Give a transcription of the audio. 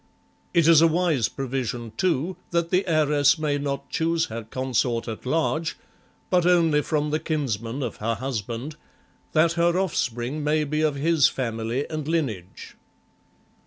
It is a wise provision, too, that the heiress may not choose her consort at large, but only from the kinsmen of her husband, that her offspring may be of his family and lineage.